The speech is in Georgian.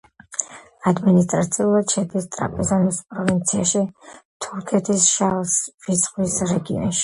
ადმინისტრაციულად შედის ტრაპიზონის პროვინციაში, თურქეთის შავი ზღვის რეგიონში.